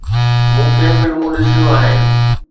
مون کي فلمون ڏسڻيون آهن.